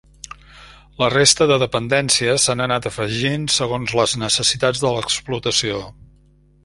La resta de dependències s'han anat afegint segons les necessitats de l'explotació.